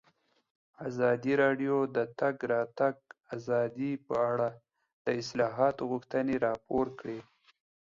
ازادي راډیو د د تګ راتګ ازادي په اړه د اصلاحاتو غوښتنې راپور کړې.